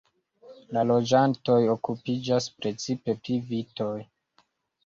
La loĝantoj okupiĝas precipe pri vitoj.